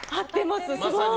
すごい！